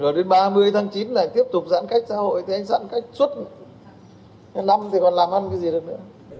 rồi đến ba mươi tháng chín là anh tiếp tục giãn cách xã hội thì anh giãn cách suốt năm thì còn làm ăn cái gì được nữa